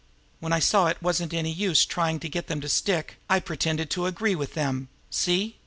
When I saw it wasn't any use trying to get them to stick, I pretended to agree with them. See?